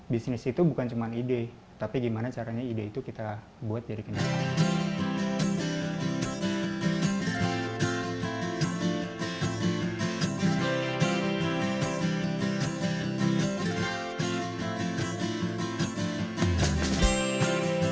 bisnis itu bukan cuma ide tapi gimana caranya ide itu kita buat jadi kendaraan